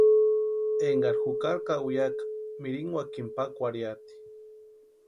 Énkari jukari kawiaka mirinkwakini pakwarhiati.